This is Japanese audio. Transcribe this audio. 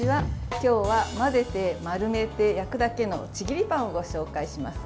今日は混ぜて丸めて焼くだけのちぎりパンをご紹介します。